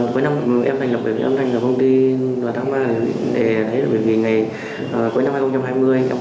cuối năm em thành lập công ty